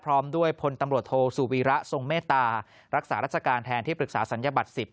พร้อมด้วยพลตำรวจโทสุวีระทรงเมตตารักษาราชการแทนที่ปรึกษาศัลยบัตร๑๐